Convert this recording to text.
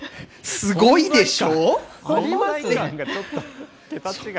すごいでしょ。